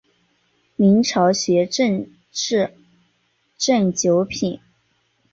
明朝学正秩正九品。